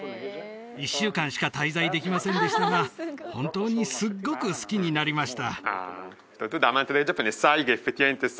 １週間しか滞在できませんでしたが本当にすっごく好きになりました